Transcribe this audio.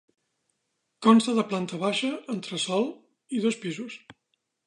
Consta de planta baixa, entresòl i dos pisos.